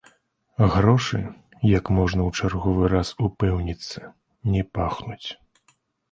Грошы, як можна ў чарговы раз упэўніцца, не пахнуць.